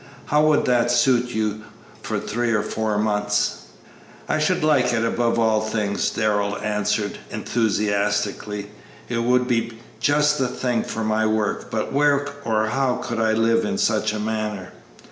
How would that suit you for three or four months?" "I should like it above all things," Darrell answered enthusiastically; "it would be just the thing for my work, but where or how could I live in such a manner?"